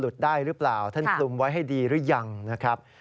ท่านคลุมไว้ให้ดีหรือยังนะครับ